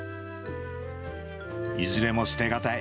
いずれも捨てがたい。